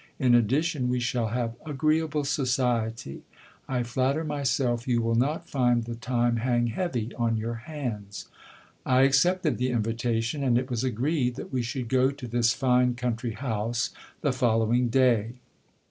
In addition, we shall have agreeable society. I flatter myself you will not find the time hang heavy on your hands. I accepted the invitation, and it was agreed that we should go to this fine country house the following day.